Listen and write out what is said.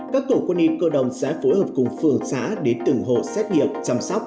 các tổ quân y cơ đồng sẽ phối hợp cùng phường xã đến từng hộ xét nghiệm chăm sóc